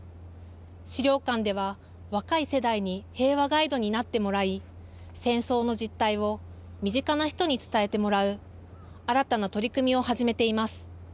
資料館では、若い世代に平和ガイドになってもらい、戦争の実態を身近な人に伝えてもらう、新たな取り組みを始めています。